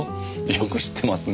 よく知ってますね。